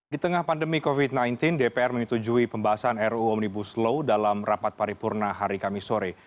di tengah pandemi covid sembilan belas dpr menyetujui pembahasan ruu omnibus law dalam rapat paripurna hari kamis sore